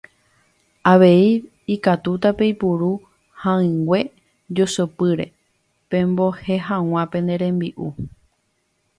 Avei ikatúta peipuru ha'ỹingue josopyre pembohe hag̃ua pene rembi'u.